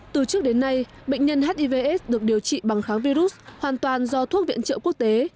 từ trước đến nay bệnh nhân hivs được điều trị bằng kháng virus hoàn toàn do thuốc viện trợ quốc tế